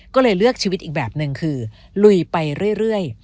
ก็เลยเลือกชีวิตอีกแบบหนึ่งคือลุยไปเรื่อย